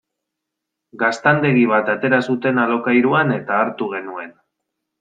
Gaztandegi bat atera zuten alokairuan eta hartu genuen.